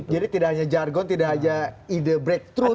jadi tidak hanya jargon tidak hanya ide breakthrough gitu